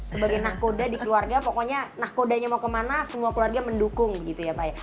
sebagai nakoda di keluarga pokoknya nakodanya mau kemana semua keluarga mendukung gitu ya pak ya